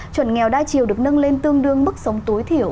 chuẩn nghèo đa chiều được nâng lên tương đương mức sống tối thiểu